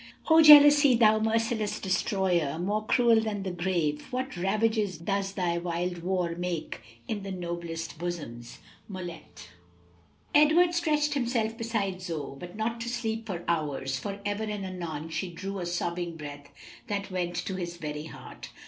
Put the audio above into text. "O jealousy! thou merciless destroyer, More cruel than the grave! what ravages Does thy wild war make in the noblest bosoms!" Mullet. Edward stretched himself beside Zoe, but not to sleep for hours, for ever and anon she drew a sobbing breath that went to his very heart.